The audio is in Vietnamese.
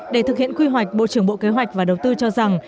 để thực hiện quy hoạch bộ trưởng bộ kế hoạch và đầu tư cho rằng